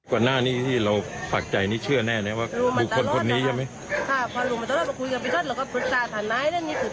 ว่าเราจะประชาปนักศึกษาที่โยศกรรมอื่นแล้วมาเกิดข้ายไป